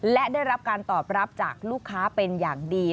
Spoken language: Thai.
และได้รับการตอบรับจากลูกค้าเป็นอย่างดี